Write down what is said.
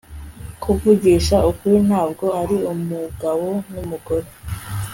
kuvugisha ukuri, ntabwo ari umugabo n'umugore